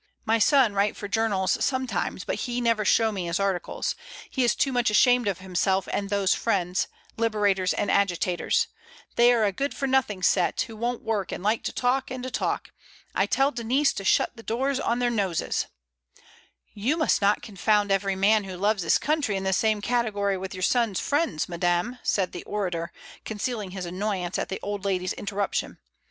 My son write for journals sometimes, but he never show me his articles. He is too much ashamed of himself and those friends — liberators and agitators. They are a good for nothing set, who won't work, and like talk and to talk. I tell Denise to shut the door on their noses " "You must not confound every man who loves his country in the same category with your son's friends, madame," said the orator, concealing his annoyance at the old lady's interruption.